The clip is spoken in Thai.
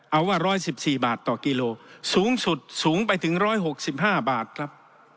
เอาว่าร้อยสิบสี่บาทต่อกิโลสูงสุดสูงไปถึงร้อยหกสิบห้าบาทครับ